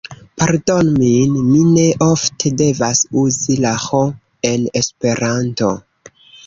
Pardonu min, mi ne ofte devas uzi la ĥ en esperanto.